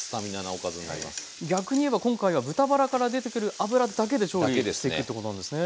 逆に言えば今回は豚バラから出てくる脂だけで調理していくってことなんですね。